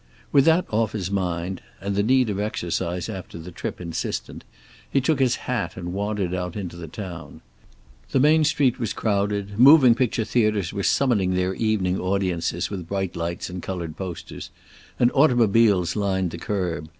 With that off his mind, and the need of exercise after the trip insistent, he took his hat and wandered out into the town. The main street was crowded; moving picture theaters were summoning their evening audiences with bright lights and colored posters, and automobiles lined the curb.